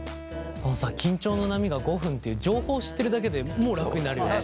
緊張の波が５分っていう情報を知ってるだけでもう楽になるよね。